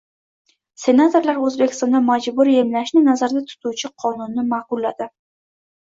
Senatorlar O‘zbekistonda majburiy emlashni nazarda tutuvchi qonunni ma’qulladi